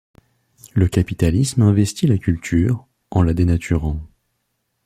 Le capitalisme investit la culture, en la dénaturant.